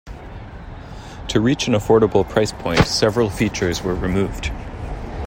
To reach an affordable price point, several features were removed.